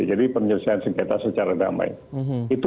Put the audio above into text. jadi penyelesaian sengketa secara damai